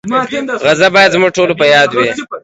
غزه باید زموږ ټولو په یاد وي.